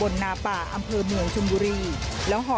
มีความรู้สึกว่า